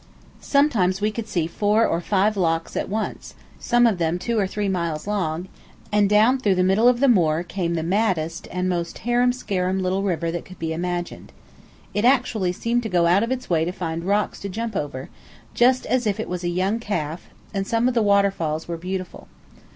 Sometimes we could see four or five lochs at once, some of them two or three miles long, and down through the middle of the moor came the maddest and most harum scarum little river that could be imagined. It actually seemed to go out of its way to find rocks to jump over, just as if it was a young calf, and some of the waterfalls were beautiful.